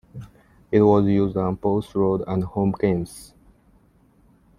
It was used on both road and home games.